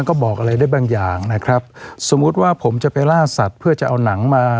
ก็บอกอะไรได้บางอย่างนะครับสมมุติว่าผมจะไปล่าสัตว์เพื่อจะเอาหนังมา